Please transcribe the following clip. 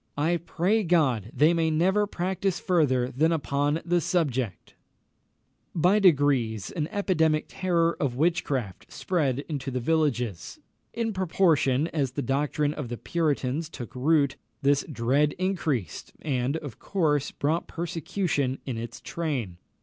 I pray God they may never practise further than upon the subject!" [Illustration: JEWELL.] By degrees, an epidemic terror of witchcraft spread into the villages. In proportion as the doctrine of the Puritans took root, this dread increased, and, of course, brought persecution in its train.